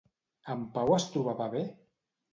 En Pau es trobava bé?